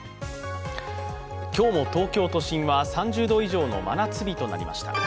今日も東京都心は３０度以上の真夏日となりました。